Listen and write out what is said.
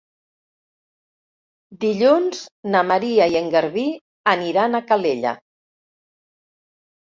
Dilluns na Maria i en Garbí aniran a Calella.